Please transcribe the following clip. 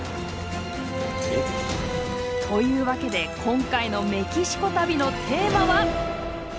というわけで今回のメキシコ旅のテーマは。